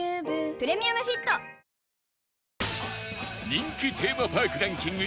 人気テーマパークランキング